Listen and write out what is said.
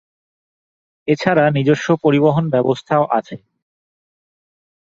এছাড়া নিজস্ব পরিবহন ব্যবস্থাও আছে।